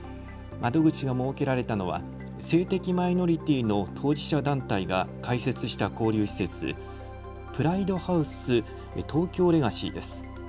窓口が設けられたのは、性的マイノリティーの当事者団体が開設した交流施設、プライドハウス東京レガシーです。